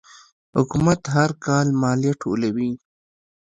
حکومت هر کال مالیه ټولوي.